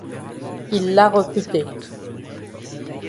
Il l'a recruté.